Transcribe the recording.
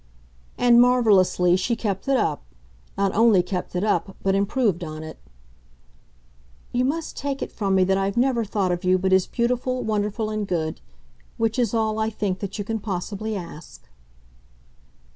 And, marvellously, she kept it up not only kept it up, but improved on it. "You must take it from me that I've never thought of you but as beautiful, wonderful and good. Which is all, I think, that you can possibly ask."